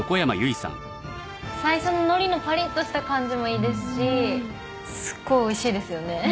最初の海苔のパリッとした感じもいいですしすごいおいしいですよね。